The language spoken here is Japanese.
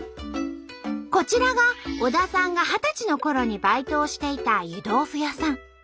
こちらが小田さんが二十歳のころにバイトをしていた湯豆腐屋さん。